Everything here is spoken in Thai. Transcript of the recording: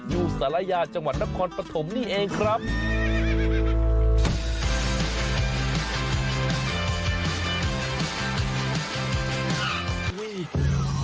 อยู่ศาลายาจังหวัดนับคอนปฐมนี่เองครับ